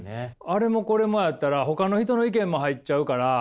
あれもこれもやったらほかの人の意見も入っちゃうから。